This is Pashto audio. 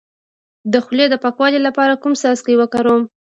د خولې د پاکوالي لپاره کوم څاڅکي وکاروم؟